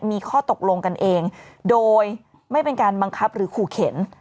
มีข้อตกลงกันเองโดยไม่เป็นการบังคับหรือขู่เข็น